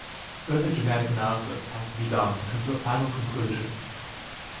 Further genetic analysis has to be done to come to a final conclusion.